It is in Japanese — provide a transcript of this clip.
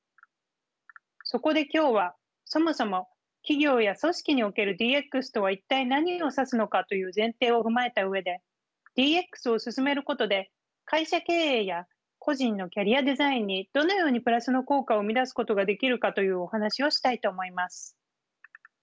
そこで今日はそもそも企業や組織におけるＤＸとは一体何を指すのかという前提を踏まえた上でＤＸを進めることで会社経営や個人のキャリアデザインにどのようにプラスの効果を生み出すことができるかというお話をしたいと思います。